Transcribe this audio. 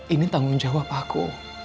ini tanggung jawab aku